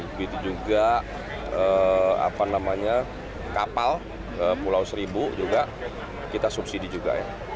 begitu juga kapal pulau seribu juga kita subsidi juga